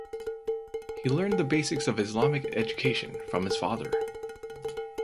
He learned the basics of Islamic education from his father.